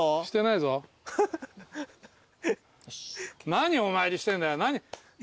何お参りしてんだよ。